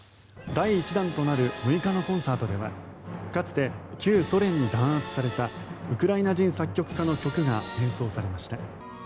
第１弾となる６日のコンサートではかつて旧ソ連に弾圧されたウクライナ人作曲家の曲が演奏されました。